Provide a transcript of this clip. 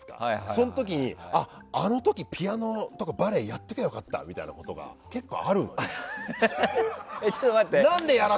その時にあの時ピアノとかバレエやっておけば良かったみたいなことが結構あるのよ。